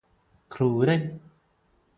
ക്രൂരന്